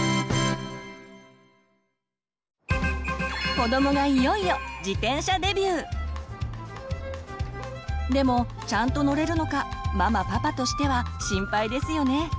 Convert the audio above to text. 子どもがいよいよでもちゃんと乗れるのかママパパとしては心配ですよね。